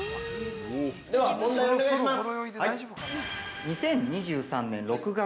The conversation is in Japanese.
では、問題をお願いします。